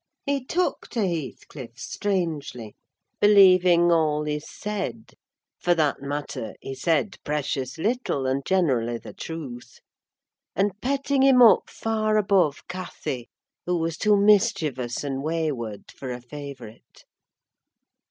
He took to Heathcliff strangely, believing all he said (for that matter, he said precious little, and generally the truth), and petting him up far above Cathy, who was too mischievous and wayward for a favourite.